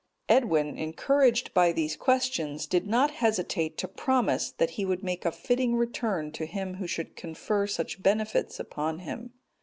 Edwin, encouraged by these questions, did not hesitate to promise that he would make a fitting return to him who should confer such benefits upon him.